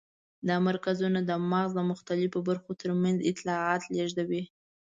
دا مرکزونه د مغز د مختلفو برخو تر منځ اطلاعات لېږدوي.